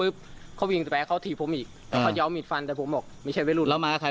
เอ๊ตอนเขาไปเข้างานได้ตรวจเขาหรือเปล่า